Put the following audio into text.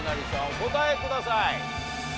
お答えください。